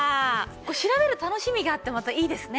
調べる楽しみがあってまたいいですね。